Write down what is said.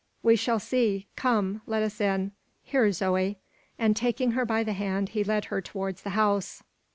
"We shall see; come! let us in. Here, Zoe!" And, taking her by the hand, he led her towards the house.